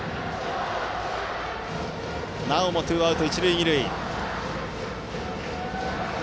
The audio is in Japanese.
なおもツーアウト、一塁二塁。